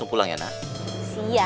bapakmu akan tahu